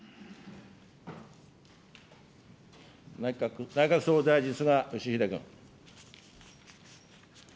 内閣総理大臣、菅義偉君。